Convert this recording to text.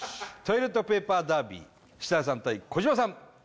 トイレットペーパーダービー設楽さん対児嶋さん